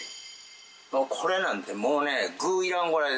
これなんてもうね具いらんぐらいです。